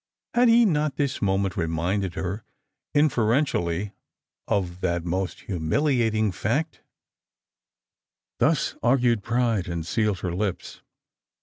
Had he not this moment reminded her, inferentially, of that most humiliating factP Thus argued pride, and sealed her lips.